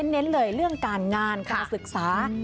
เน้นเลยเรื่องการงานการศึกษา